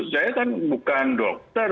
saya kan bukan dokter